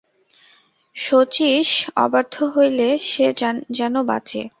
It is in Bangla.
শচীশ অবাধ্য হইলে সে যেন বাঁচে।